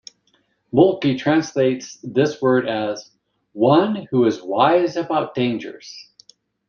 Moltke translates this word as "one who is wise about dangers".